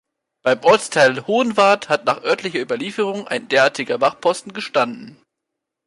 Beim Ortsteil Hohenwart hat nach örtlicher Überlieferung ein derartiger Wachposten gestanden.